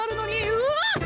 うわっ！